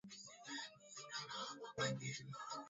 Dalili nyingine ya mapele ya ngozi kwa ngombe ni kuchechemea